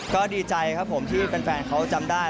ก็ดีใจครับผมที่แฟนเขาจำได้